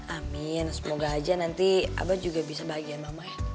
amin semoga aja nanti abah juga bisa bagian mama ya